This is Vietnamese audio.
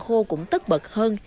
khô cũng tất bật hơn